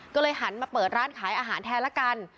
ก็เลยหันมาเปิดร้านขายอาหารแทนละกัน